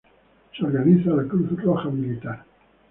Se organiza la Cruz Roja Militar.